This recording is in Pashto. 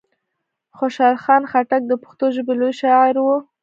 خوشحال خان خټک د پښتو ژبي لوی شاعر وو.